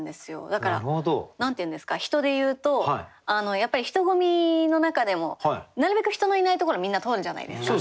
だから何て言うんですか人で言うとやっぱり人混みの中でもなるべく人のいないところをみんな通るじゃないですか。